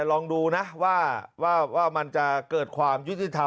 ลองดูนะว่ามันจะเกิดความยุติธรรม